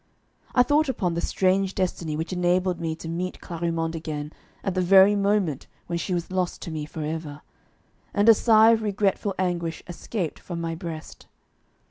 I thought upon the strange destiny which enabled me to meet Clarimonde again at the very moment when she was lost to me for ever, and a sigh of regretful anguish escaped from my breast.